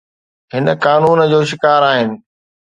هن قانون جو شڪار آهن